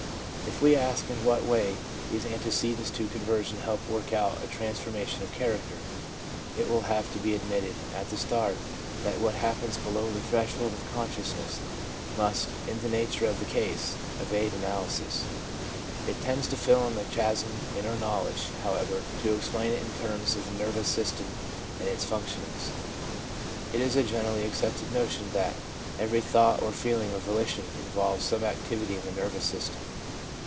If we ask in what way these antecedents to conver sion help work out a transformation of character, it will have to be admitted at the start that what happens below the threshold of consciousness must, in the nature of the case, evade analysis. It tends to fill in the chasm in our knowledge, however, to explain it in terms of the nervous system and its functionings. It is a generally accepted notion that every thought or feeling or volition involves some activity in the nervous system.